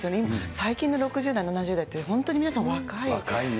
最近の６０代、７０代って、本当に皆さん、若い。